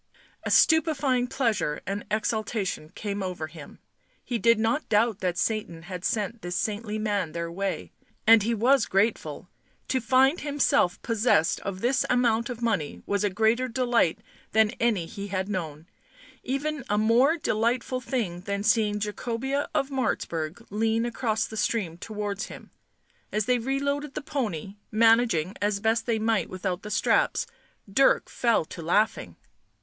A stupefying pleasure and exaltation came over him, he did not doubt that Satan had sent this saintly man their way, and he was grateful ; to find himself possessed of this amount of money was a greater delight than any he had known, even a more delightful thing than seeing Jacobea of Martzburg lean across the stream towards him. As they reloaded the pony, managing as best they might without the straps, Dirk fell to laughing.